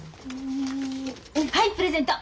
はいプレゼント！